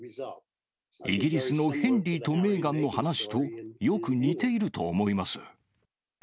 イギリスのヘンリーとメーガンの話とよく似ていると思います。